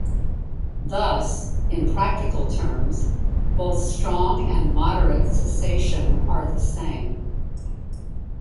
Thus, in practical terms, both strong and moderate cessationism are the same.